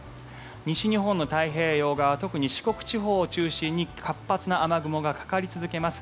西日本の太平洋側特に四国地方を中心に活発な雨雲がかかり続けます。